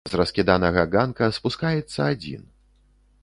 З раскіданага ганка спускаецца адзін.